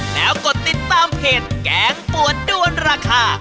แล้วกดติดตามเพจแกงปวดด้วนราคา